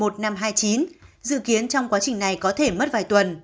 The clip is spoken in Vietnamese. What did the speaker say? dự kiến trong quá trình này có thể mất vài tuần